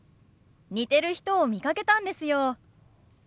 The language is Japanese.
似てる人を見かけたんですよ。